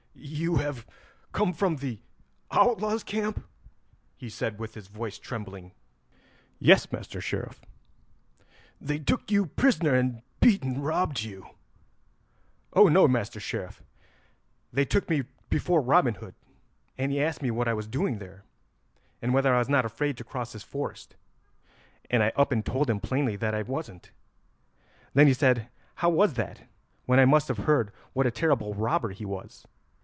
"You have come from the outlaws' camp?" he said with his voice trembling. "Yes, Master Sheriff." "They took you prisoner, and beat and robbed you?" "Oh! no, Master Sheriff; they took me before Robin Hood, and he asked me what I was doing there, and whether I was not afraid to cross his forest, and I up and told him plainly that I wasn't. Then he said how was that when I must have heard what a terrible robber he was."